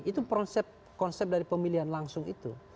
itu konsep dari pemilihan langsung itu